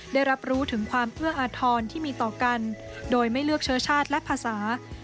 ได้รับรู้ถึงความเอื้ออาทรที่มีต่อกันโดยไม่เลือกเชื้อชาติและภาษา